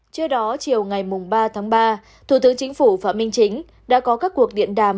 trước đó chiều ngày ba tháng ba thủ tướng chính phủ phạm minh chính đã có các cuộc điện đàm